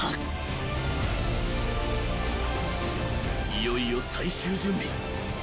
［いよいよ最終準備］